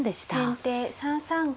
先手３三金。